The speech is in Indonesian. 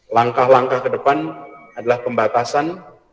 langkah langkah kedepan adalah pembatasan